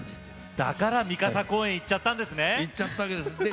だから三笠公園に行っちゃったわけですね。